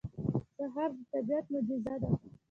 سهار د طبیعت معجزه ده.